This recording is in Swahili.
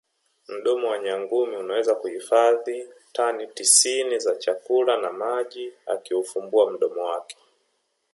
Mdomo wa nyangumi unaweza kuhifazi tani tisini za chakula na maji akiufumbua mdomo wake